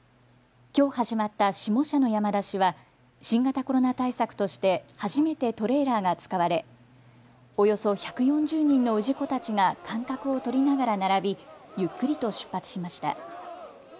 きょう始まった下社の山出しは新型コロナ対策として初めてトレーラーが使われおよそ１４０人の氏子たちが間隔を取りながら並びゆっくりと出発しました。